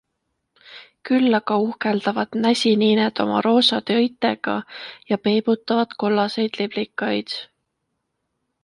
Küll aga uhkeldavad näsiniined oma roosade õitega ja peibutavad kollaseid liblikaid.